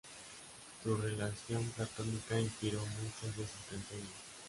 Su relación platónica inspiró muchas de sus canciones.